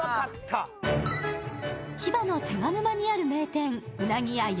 千葉の手賀沼にある名店、鰻屋安